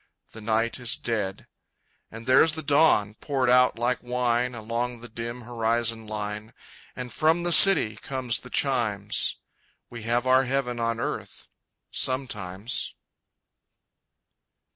The night is dead. And there's the dawn, poured out like wine Along the dim horizon line. And from the city comes the chimes We have our heaven on earth sometimes!